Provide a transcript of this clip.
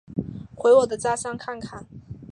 回我的家乡看看